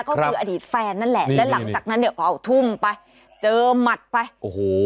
ก็คืออดีตแฟนนั่นแหละและหลังจากนั้นเนี่ยก็เอาทุ่มไปเจอหมัดไปโอ้โห